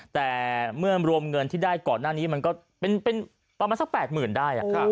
แต่เมื่อรวมเงินที่ได้ก่อนหน้านี้มันก็เป็นประมาณสัก๘๐๐๐ได้